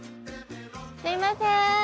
すみません。